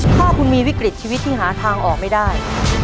ถ้าคุณมีวิกฤตชีวิตที่หาทางออกไม่ได้